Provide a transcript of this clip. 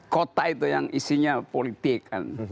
kota itu yang isinya politik